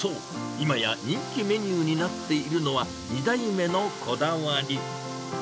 今や人気メニューになっているのは、２代目のこだわり。